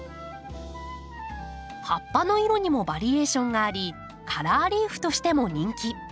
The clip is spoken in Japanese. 葉っぱの色にもバリエーションがありカラーリーフとしても人気。